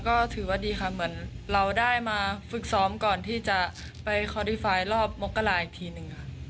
ก็ถือว่าดีค่ะเหมือนเราได้มาฝึกซ้อมก่อนที่จะไปคอดี้ไฟล์รอบมกราอีกทีหนึ่งค่ะ